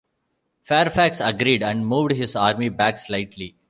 Fairfax agreed, and moved his army back slightly.